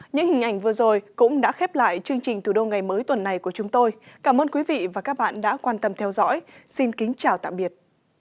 những hình ảnh vừa rồi cũng đã khép lại chương trình từ đô ngày mới tuần này của chúng tôi cảm ơn quý vị và các bạn đã quan tâm theo dõi xin kính chào tạm biệt